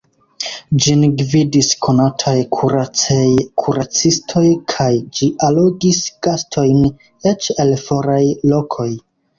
Ĝin gvidis konataj kuracej-kuracistoj kaj ĝi allogis gastojn eĉ el foraj lokoj.